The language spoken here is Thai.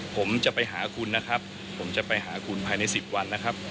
ผมจะไปหาคุณนะครับผมจะไปหาคุณภายใน๑๐วันนะครับ